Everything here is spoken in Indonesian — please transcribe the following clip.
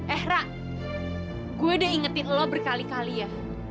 eh ra gue udah ingetin lo berkali kali ya